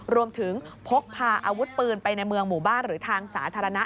พกพาอาวุธปืนไปในเมืองหมู่บ้านหรือทางสาธารณะ